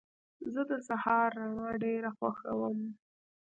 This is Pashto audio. زه د سهار رڼا ډېره خوښوم.